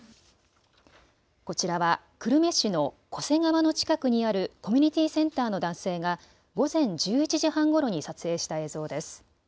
こちらは久留米市の巨瀬川の近くにあるコミュニティーセンターの男性が午前１１時半ごろに撮影した映像です。